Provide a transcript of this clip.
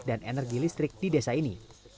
dan energi listrik di desa ini